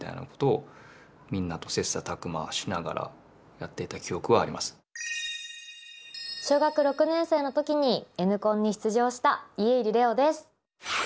遠い遠い昔の音がきこえる小学６年生の時にＮコンに出場した家入レオです。